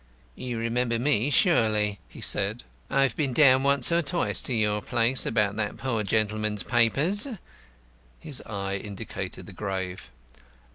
"You remember me, surely," he said; "I've been down once or twice to your place about that poor gentleman's papers." His eye indicated the grave.